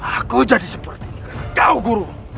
aku jadi seperti ini kau guru